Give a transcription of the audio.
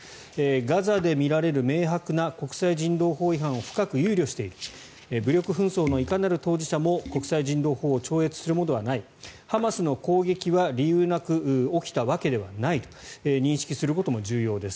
ガザで見られる明白な国際人道法違反を深く憂慮している武力紛争のいかなる当事者も国際人道法を超越するものではないハマスの攻撃は理由なく起きたわけではないと認識することも重要です。